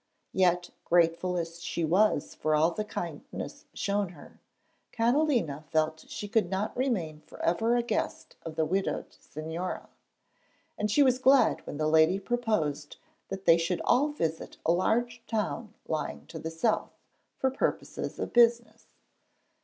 Yet, grateful as she was for all the kindness shown her, Catalina felt she could not remain for ever a guest of the widowed Señora; and she was glad when the lady proposed that they should all visit a large town lying to the south, for purposes of business.